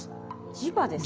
磁場ですか？